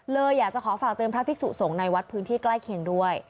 เลยอยากจะขอฝากเตือนพระภิกษุสงฆ์ในวัดพื้นที่ใกล้เคียงด้วย